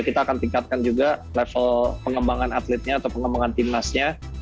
kita akan tingkatkan juga level pengembangan atletnya atau pengembangan timnasnya